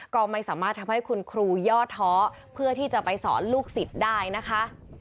ก็ไม่สามารถทำให้คุณครูย่อท้อเพื่อที่จะไปสอนลูกศิษย์ได้นะคะ